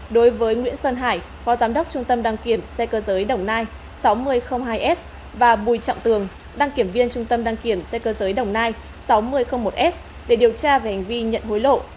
đối với nguyễn sơn hải phó giám đốc trung tâm đăng kiểm xe cơ giới đồng nai sáu nghìn hai s và bùi trọng tường đăng kiểm viên trung tâm đăng kiểm xe cơ giới đồng nai sáu nghìn một s để điều tra về hành vi nhận hối lộ